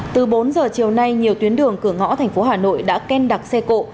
từ bốn giờ chiều nay nhiều tuyến đường cửa ngõ thành phố hà nội đã khen đặc xe cộ